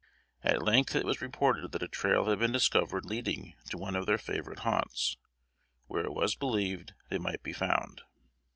At length it was reported that a trail had been discovered leading to one of their favorite haunts, where it was believed they might be found.